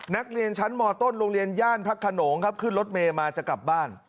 นักเรียนชั้นมต้นโรงเรียนย่านพระขนงครับขึ้นรถเมย์มาจะกลับบ้าน